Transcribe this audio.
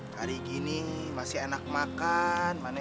hari gini masih enak makan